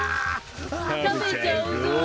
たべちゃうぞ！